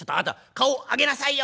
顔上げなさいよ！」。